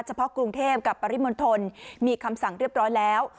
เฉพาะกรุงเทพกับปริมณฑลมีคำสั่งเรียบร้อยแล้ว